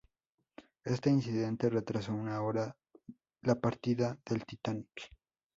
Este incidente retrasó una hora la partida del "Titanic".